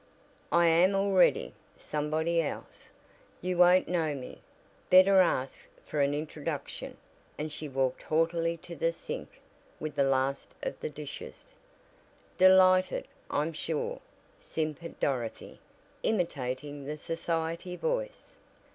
"I am already somebody else. You won't know me; better ask for an introduction," and she walked haughtily to the sink with the last of the dishes. "Delighted, I'm sure!" simpered Dorothy, imitating the society voice.